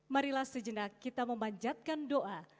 marilah sejenak kita memanjatkan doa